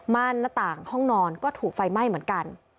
หน้าต่างห้องนอนก็ถูกไฟไหม้เหมือนกัน